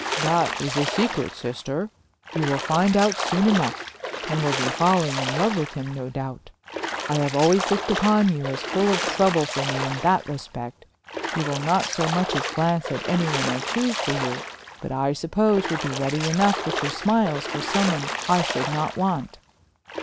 "That is a secret, sister. You will find out soon enough, and will be falling in love with him, no doubt. I have always looked upon you as full of trouble for me in that respect; you will not so much as glance at anyone I choose for you, but I suppose would be ready enough with your smiles for some one I should not want."